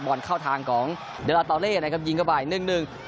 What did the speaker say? บอลเข้าทางของเดลาตาเล่นะครับยิงเข้าไปหนึ่งหนึ่ง